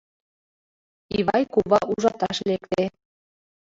— Ивай кува ужаташ лекте.